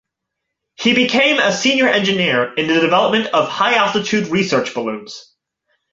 He became a senior engineer in the development of high-altitude research balloons.